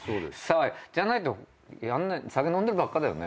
じゃないと酒飲んでばっかだよね。